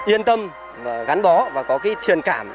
yên tâm gắn bó và có cái thiền cảm